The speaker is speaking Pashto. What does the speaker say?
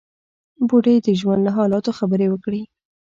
بوډۍ د ژوند له حالاتو خبرې وکړې.